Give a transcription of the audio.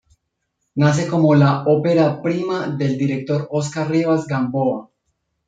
Nace como la ópera prima del director Oscar Rivas Gamboa.